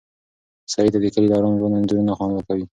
سعید ته د کلي د ارام ژوند انځورونه خوند ورکوي.